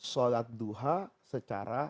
sholat duha secara